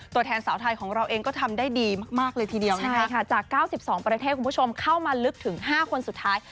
ตัวแทนสาวไทยของเราเองก็ทำได้ดีมากเลยทีเดียวนะคะจาก๙๒ประเทศคุณผู้ชมเข้ามาลึกถึง๕คนสุดท้าย